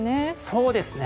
そうですね。